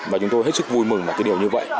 và chúng tôi hết sức vui mừng vào cái điều như vậy